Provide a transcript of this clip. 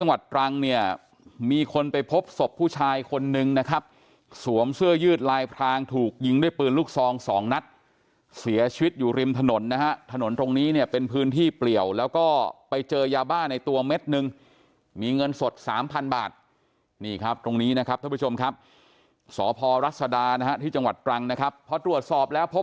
ตรังเนี่ยมีคนไปพบศพผู้ชายคนนึงนะครับสวมเสื้อยืดลายพรางถูกยิงด้วยปืนลูกซองสองนัดเสียชีวิตอยู่ริมถนนนะฮะถนนตรงนี้เนี่ยเป็นพื้นที่เปลี่ยวแล้วก็ไปเจอยาบ้าในตัวเม็ดนึงมีเงินสดสามพันบาทนี่ครับตรงนี้นะครับท่านผู้ชมครับสพรัศดานะฮะที่จังหวัดตรังนะครับพอตรวจสอบแล้วพบ